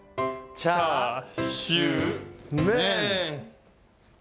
チャーシューメン。